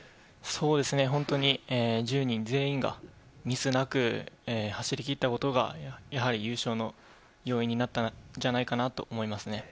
本当に１０人全員がミスなく走りきったことが優勝の要因になったのではないかと思います。